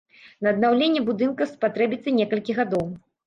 На аднаўленне будынка спатрэбіцца некалькі гадоў.